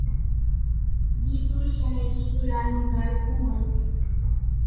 ڳيۮوڙِي انين ڳيۮوڙا نون زاڙکون هوئيَ سي۔